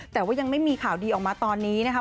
แต่ว่ายังไม่มีข่าวดีออกมาตอนนี้นะครับ